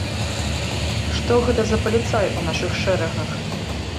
Што гэта за паліцай у нашых шэрагах?